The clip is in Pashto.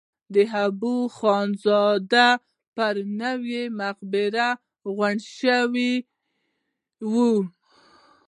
د حبواخندزاده پر نوې مقبره غونډه وشوه.